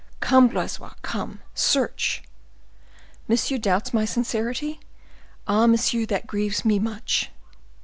"Come, Blaisois, come, search." "Monsieur doubts my sincerity? Ah, monsieur, that grieves me much."